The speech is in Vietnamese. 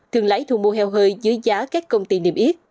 thường lấy thu mua heo hơi dưới giá các công ty niệm yết